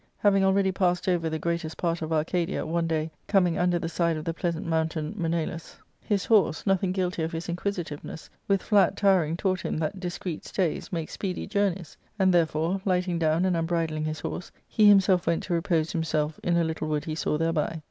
Having already passed over the greatest part of Arcadia, one day, coming under the side of the pleasant mountain Menalus, his horse, nothing guilty of his inquisitiveness, with flat tiring taught him that " dis creet stays make speedy journeys ;" and therefore, light ing down and unbridling his horse, he himself went to repose himself in a little wood he saw thereby.